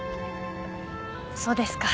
そうですか。